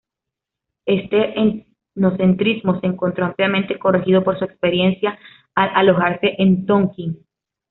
Este etnocentrismo se encontró ampliamente corregido por su experiencia al alojarse en Tonkin.